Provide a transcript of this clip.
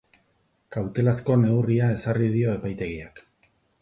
Kautelazko neurria ezarri dio epaitegiak.